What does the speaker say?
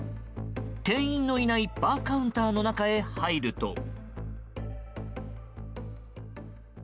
店員のいないバーカウンターの中へ入ると。